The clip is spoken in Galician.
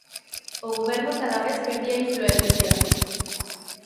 O goberno cada vez perdía influencia.